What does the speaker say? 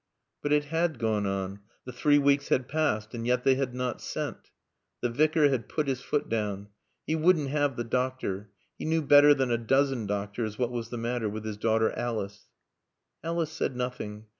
But it had gone on, the three weeks had passed, and yet they had not sent. The Vicar had put his foot down. He wouldn't have the doctor. He knew better than a dozen doctors what was the matter with his daughter Alice. Alice said nothing.